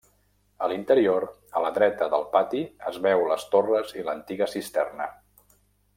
A l'interior, a la dreta del pati es veu les torres i l'antiga cisterna.